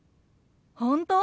本当？